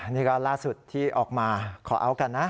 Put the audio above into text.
นี่ก็ล่าสุดที่ออกมาขอเอาท์กันนะ